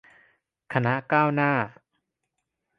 คณะก้าวหน้า